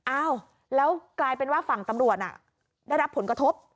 อ้าวแล้วกลายเป็นว่าฝั่งตำรวจได้รับผลกระทบ